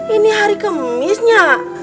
ini hari kemisnya